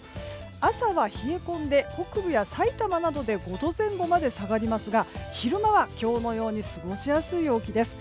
朝は冷え込んで北部やさいたまなどで５度前後まで下がりますが昼間は今日のように過ごしやすい陽気です。